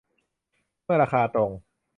เมื่อราคาตรง